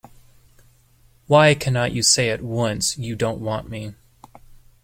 Why cannot you say at once you don’t want me?